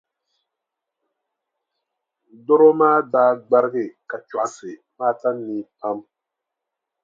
Dɔro maa daa gbarigi ka chɔɣisi Maata nii pam.